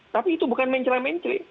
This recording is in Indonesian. tapi itu bukan mencela mencela